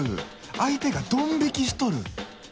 相手がドン引きしとる！